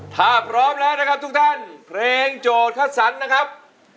ถ้าพร้อมแล้วนะครับทุกท่านเพลงโจทย์คัดสรรนะครับ